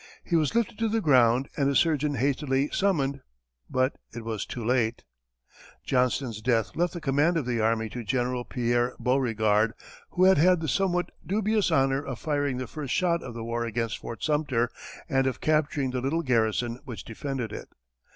He was lifted to the ground and a surgeon hastily summoned. But it was too late. Johnston's death left the command of the army to General Pierre Beauregard, who had had the somewhat dubious honor of firing the first shot of the war against Fort Sumter and of capturing the little garrison which defended it.